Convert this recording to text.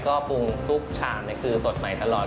ก็ปรุงทุกชามคือสดใหม่ตลอด